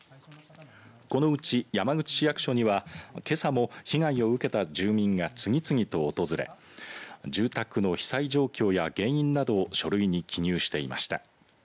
このうち山口市役所にはけさも被害を受けた住民が次々と訪れ住宅の被災状況や原因などを書類に記入していました。